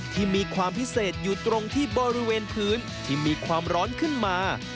ที่มีความพิเศษอยู่ตรงที่บริเวณพื้นที่มีความร้อนขึ้นมา